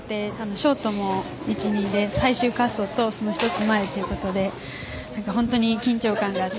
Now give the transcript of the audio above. ショートも１、２で最終滑走とその１つ前ということで本当に緊張感があって。